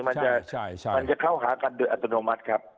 มันจะเข้าหากันโดยอัตโนมัติครับ